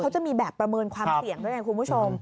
เขาจะมีแบบประเมินความเสี่ยงด้วยไงคุณผู้ชม